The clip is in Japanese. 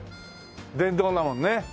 電動だもんね。